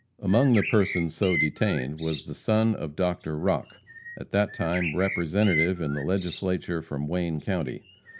Among the persons so detained was the son of Dr. Rock, at that time Representative in the Legislature from Wayne county.